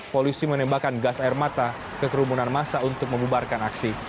polisi menembakkan gas air mata ke kerumunan masa untuk membubarkan aksi